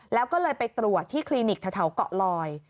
แล้วก็เลยไปตรวจที่คลินิกแถวเกาะลอย